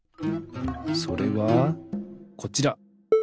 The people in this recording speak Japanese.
それはこちら！